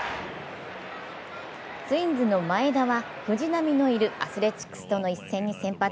ツインズの前田は藤浪のいるアスレチックスとの一戦に先発。